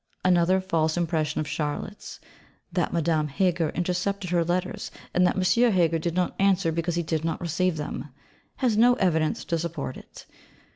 Another false impression of Charlotte's that Madame Heger intercepted her letters, and that M. Heger did not answer because he did not receive them has no evidence to support it.